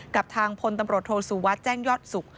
กับทางพลตำรวจโทรศูวัฒน์แจ้งยอดสุข